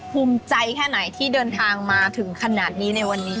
ภูมิใจแค่ไหนที่เดินทางมาถึงขนาดนี้ในวันนี้